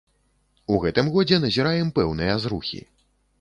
У гэтым годзе назіраем пэўныя зрухі.